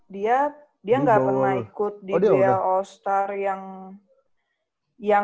dia gak pernah ikut di dl all star yang dua belas orang